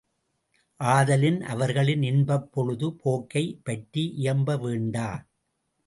ஆதலின், அவர்களின் இன்பப் பொழுது போக்கைப் பற்றி இயம்ப வேண்டா.